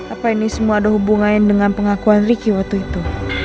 apa ini semua ada hubungannya dengan pengakuan ricky waktu itu